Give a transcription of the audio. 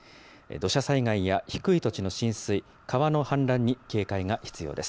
土砂災害や低い土地の浸水、川の氾濫に警戒が必要です。